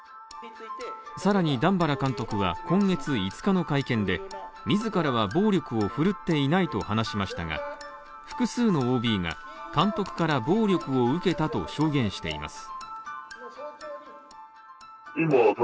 更に段原監督は今月５日の会見で自らは暴力を振るっていないと話しましたが、複数のＯＢが、監督から暴力を受けたと証言しています。